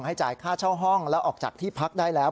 จ่ายค่าเช่าห้องแล้วออกจากที่พักได้แล้ว